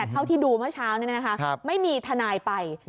เขาที่ดูเมื่อเช้านี้นะคะไม่มีทนายไป